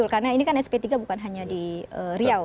karena ini kan sp tiga bukan hanya di riau